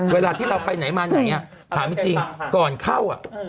เวลาที่เราไปไหนมาไหนถามจริงก่อนเข้า